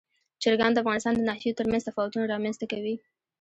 چرګان د افغانستان د ناحیو ترمنځ تفاوتونه رامنځ ته کوي.